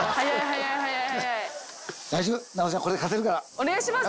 お願いします！